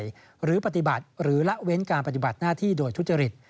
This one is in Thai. หรือปฏิบัติหรือละเว้นการปฏิบัติหน้าที่โดยทุจริต